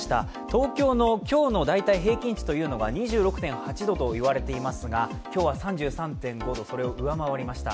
東京の今日の大体平均値というのが２６．８度といわれていますが今日は３３．５度、それを上回りました。